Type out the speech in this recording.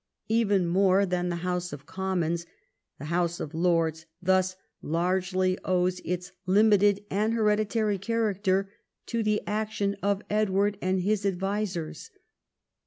Even more than the House of Commons, the House of Lords thus largely owes its limited and hereditary character to the action of Edward and his advisers.